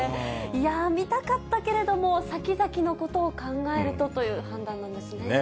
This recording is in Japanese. いやー、見たかったけれども、先々のことを考えるとという判断なんですね。